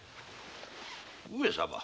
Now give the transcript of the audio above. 上様。